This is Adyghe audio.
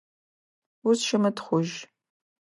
Узыщымытхъужь.